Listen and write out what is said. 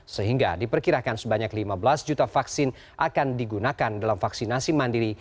sehingga diperkirakan sebanyak lima belas juta vaksin akan digunakan dalam vaksinasi mandiri